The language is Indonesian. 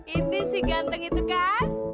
ini si ganteng itu kan